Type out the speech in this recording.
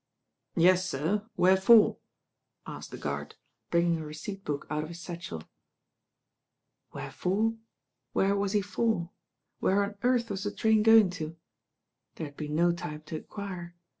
"Yes, sir, where for?" asked the guard, bringing a receipt book out of his satchel. THE PURSUIT TO FOLKESTONE 1«7 Where fori Where was he for? Where on earth was the train going to? There had been no time to enquire.